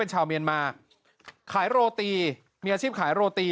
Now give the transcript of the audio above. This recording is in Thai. ชาวเมียนมาขายโรตีมีอาชีพขายโรตี